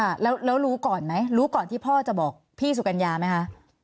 ค่ะแล้วรู้ก่อนไหมรู้ก่อนที่พ่อจะบอกพี่สุกัญญาไหมคะ